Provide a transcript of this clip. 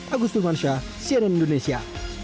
agus tumansyah cnn indonesia